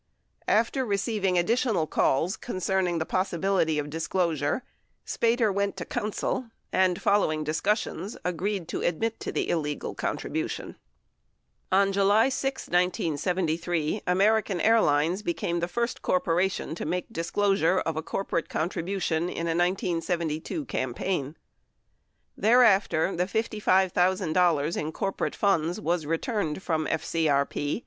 14 After receiving addi tional calls concerning the possibility of disclosure, Spater went to counsel and, following discussions, agreed to admit to the illegal con tribution. On July 6, 1973, American Airlines became the first corpo ration to make disclosure of a corporate contribution in a 1972 cam paign. Thereafter, the $55,000 in corporate funds was returned from FCBP.